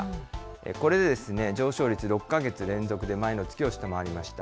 これで上昇率６か月連続で前の月を下回りました。